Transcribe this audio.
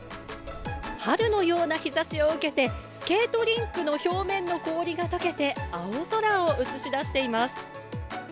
春のような日ざしを受けて、スケートリンクの表面の氷がとけて、青空を映し出しています。